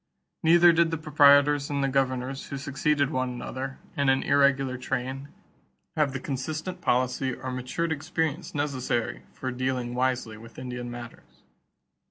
Neither did the proprietors and the governors who succeeded one another, in an irregular train, have the consistent policy or the matured experience necessary for dealing wisely with Indian matters.